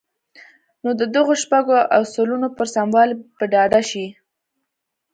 نو د دغو شپږو اصلونو پر سموالي به ډاډه شئ.